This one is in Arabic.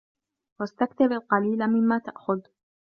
وَاسْتَكْثِرْ الْقَلِيلَ مِمَّا تَأْخُذُ